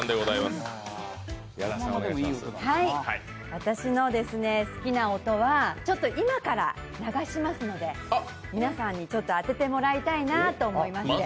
私の好きな音は、今から流しますので、皆さんに当ててもらいたいなと思いまして。